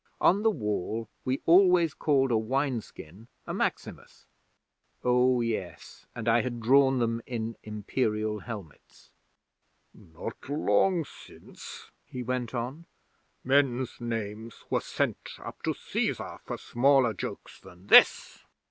On the Wall, we always called a wine skin a "Maximus". Oh, yes; and I had drawn them in Imperial helmets. '"Not long since," he went on, "men's names were sent up to Cæsar for smaller jokes than this."